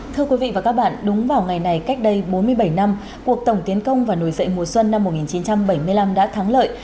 thưa quý vị và các bạn đúng vào ngày này cách đây bốn mươi bảy năm cuộc tổng tiến công và nổi dậy mùa xuân năm một nghìn chín trăm bảy mươi năm đã thắng lợi